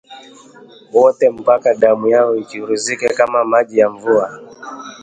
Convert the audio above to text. wote mpaka damu yao ichuruzike kama maji ya mvua